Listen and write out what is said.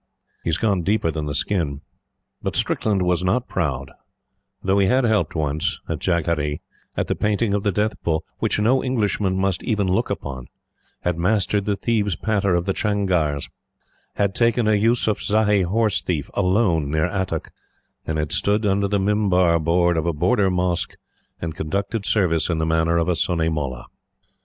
He has gone deeper than the skin. But Strickland was not proud, though he had helped once, at Jagadhri, at the Painting of the Death Bull, which no Englishman must even look upon; had mastered the thieves' patter of the changars; had taken a Eusufzai horse thief alone near Attock; and had stood under the mimbar board of a Border mosque and conducted service in the manner of a Sunni Mollah.